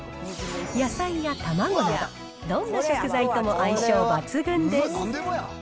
野菜や卵など、どんな食材とも相性抜群です。